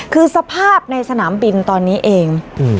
คือสภาพในสนามบินตอนนี้เอง